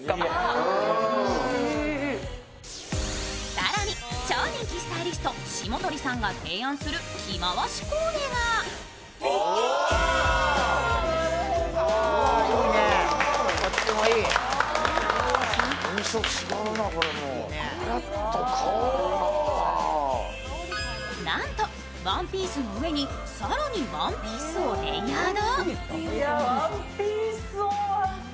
更に超人気スタイリスト、霜鳥さんが提案する着回しコーデがなんとワンピースの上に更にワンピースをレイヤード。